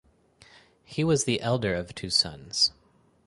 He was the elder of two sons.